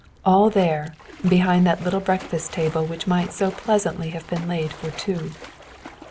All there, behind that little breakfast table which might so pleasantly have been laid for two.